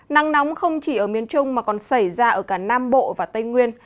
nắng nóng không chỉ ở miền trung mà còn xảy ra ở cả nam bộ và tây nguyên